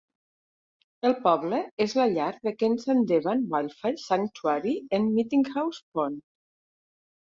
El poble és la llar de Kensan-Devan Wildlife Sanctuary en Meetinghouse Pond.